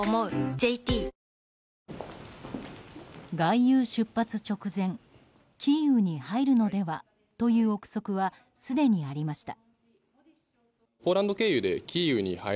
ＪＴ外遊出発直前キーウに入るのではという憶測はすでにありました。